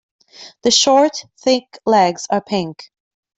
The short, thick legs are pink.